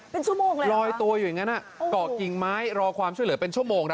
เป็นชั่วโมงเลยลอยตัวอยู่อย่างนั้นเกาะกิ่งไม้รอความช่วยเหลือเป็นชั่วโมงนะ